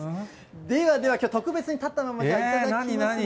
ではでは、きょう、特別に立ったまま頂きますね。